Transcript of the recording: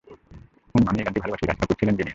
হুম, আমি এই গানটি ভালবাসি, রাজ কাপুর ছিলেন জিনিয়াস।